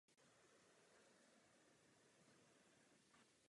Kontrolní funkci zastává Ústřední kontrolní a revizní komise.